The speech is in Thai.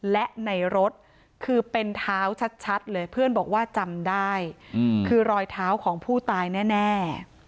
และในรถคือเป็นเท้าชัดเลยเพื่อนบอกว่าจำได้คือรอยเท้าของผู้ตายแน่